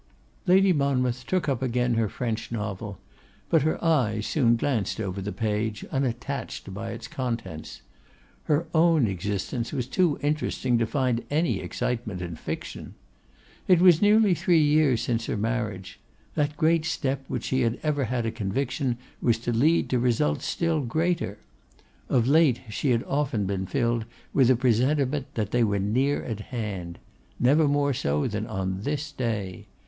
_' Lady Monmouth took up again her French novel; but her eyes soon glanced over the page, unattached by its contents. Her own existence was too interesting to find any excitement in fiction. It was nearly three years since her marriage; that great step which she ever had a conviction was to lead to results still greater. Of late she had often been filled with a presentiment that they were near at hand; never more so than on this day.